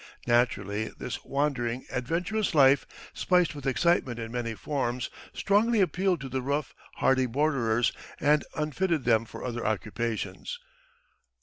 Naturally, this wandering, adventurous life, spiced with excitement in many forms, strongly appealed to the rough, hardy borderers, and unfitted them for other occupations.